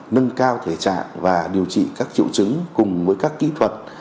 nâng cao thể trạng và điều trị các triệu chứng cùng với các kỹ thuật